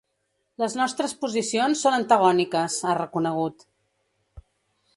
Les nostres posicions són antagòniques, ha reconegut.